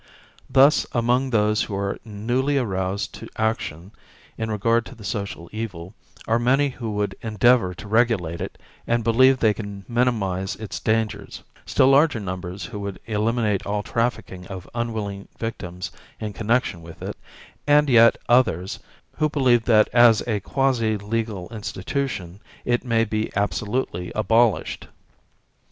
Thus among those who are newly aroused to action in regard to the social evil are many who would endeavor to regulate it and believe they can minimize its dangers, still larger numbers who would eliminate all trafficking of unwilling victims in connection with it, and yet others who believe that as a quasi legal institution it may be absolutely abolished.